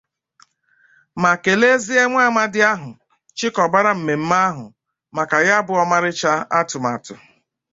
ma kelezie nwa amadi ahụ chịkọbara mmemme ahụ maka ya bụ ọmarịcha atụmatụ